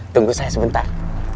tunggu saya sebentar